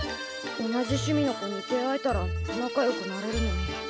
同じ趣味の子に出会えたら仲良くなれるのに。